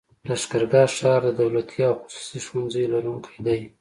لښکرګاه ښار د دولتي او خصوصي ښوونځيو لرونکی دی.